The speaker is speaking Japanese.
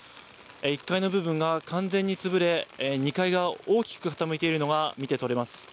１階の部分が完全に潰れ、２階が大きく傾いているのが見て取れます。